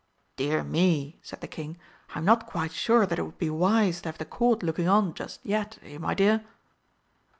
"Dear me," said the King, "I'm not quite sure that it would be wise to have the Court looking on just yet, eh, my dear?"